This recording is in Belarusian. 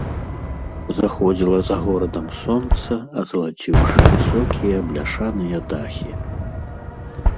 Заходзіла за горадам сонца, азалаціўшы высокія бляшаныя дахі.